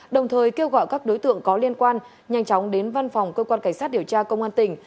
đồng thời kêu gọi các đối tượng có liên quan nhanh chóng đến văn phòng cơ quan cảnh sát điều tra công an tỉnh